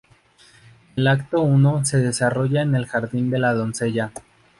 El acto I se desarrolla en el jardín de la doncella.